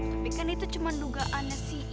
tapi kan itu cuma dugaannya sih